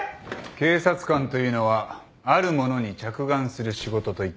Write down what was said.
警察官というのはあるものに着眼する仕事と言っていい。